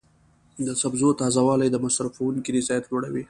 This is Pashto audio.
د سبو تازه والی د مصرفونکو رضایت لوړوي.